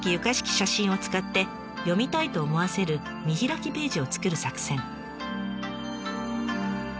写真を使って読みたいと思わせる見開きページを作る作戦。